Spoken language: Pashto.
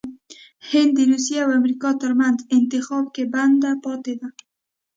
هند دروسیه او امریکا ترمنځ انتخاب کې بند پاتې دی😱